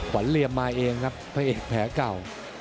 เหลี่ยมมาเองครับพระเอกแผลเก่า